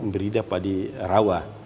beridah pada rawa